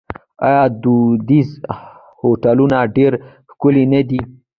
آیا دودیز هوټلونه ډیر ښکلي نه دي؟